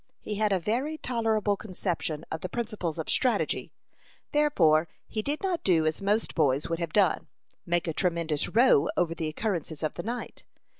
He had a very tolerable conception of the principles of strategy; therefore he did not do as most boys would have done make a tremendous row over the occurrences of the night.